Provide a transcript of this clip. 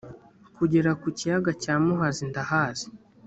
kugera ku kiyaga cya muhazi ndahazi